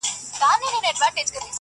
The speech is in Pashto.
فتحه زما ده، فخر زما دی، جشن زما دی.!